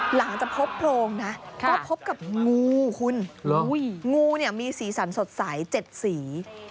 หลังจากพบโพรงนะก็พบกับงูคุณงูเนี่ยมีสีสันสดใส๗สี